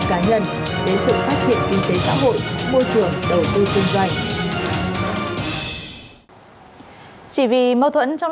cá nhân đến sự phát triển kinh tế xã hội môi trường đầu tư kinh doanh chỉ vì mâu thuẫn trong